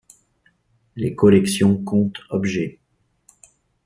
Les collections comptent objets.